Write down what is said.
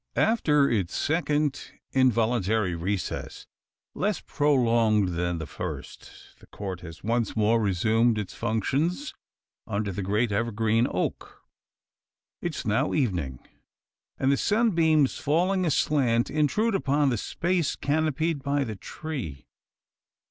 After its second involuntary recess less prolonged than the first the Court has once more resumed its functions under the great evergreen oak. It is now evening; and the sunbeams, falling aslant, intrude upon the space canopied by the tree.